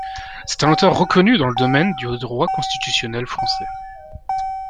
C'est un auteur reconnu dans le domaine du droit constitutionnel français.